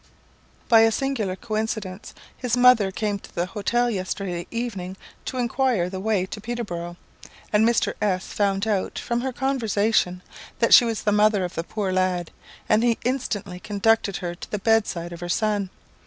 "By a singular coincidence, his mother came to the hotel yesterday evening to inquire the way to Peterboro', and Mr. S found out, from her conversation, that she was the mother of the poor lad, and he instantly conducted her to the bedside of her son.